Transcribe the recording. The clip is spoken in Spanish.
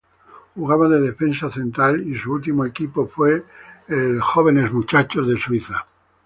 Jugaba de defensa central y su último equipo fue el Young Boys de Suiza.